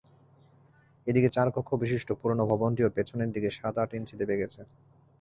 এদিকে চার কক্ষবিশিষ্ট পুরোনো ভবনটিও পেছনের দিকে সাত-আট ইঞ্চি দেবে গেছে।